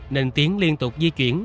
nên tiến liên tục di chuyển